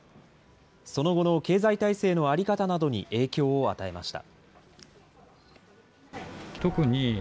その後の経済体制の在り方などに影響を与えました。